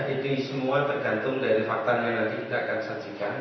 itu semua tergantung dari faktanya nanti kita akan saksikan